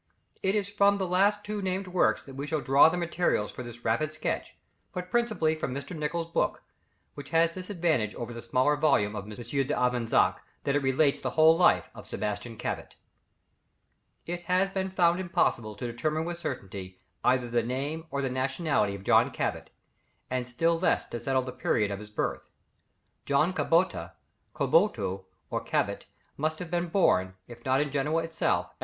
It is from the two last named works that we shall draw the materials for this rapid sketch, but principally from Mr. Nicholls' book, which has this advantage over the smaller volume of M. d'Avezac, that it relates the whole life of Sebastian Cabot. [Illustration: Sebastian Cabot. From an old print.] It has been found impossible to determine with certainty either the name or the nationality of John Cabot, and still less to settle the period of his birth. John Cabota, Caboto or Cabot must have been born, if not in Genoa itself, as M.